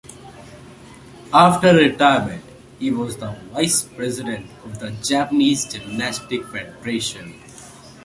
After retirement he was the vice-president of the Japanese Gymnastics Federation.